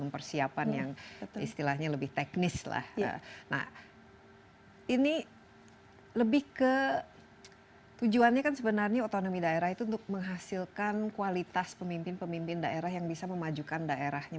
pemimpin daerah yang bisa memajukan daerahnya